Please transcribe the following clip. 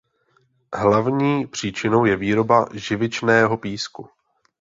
Hlavní příčinou je výroba živičného písku.